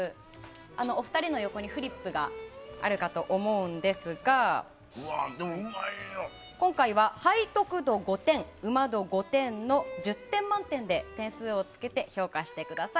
お二人の横にフリップがあるかと思うんですが今回は背徳度５点、うま度５点の１０点満点で点数をつけて評価してください。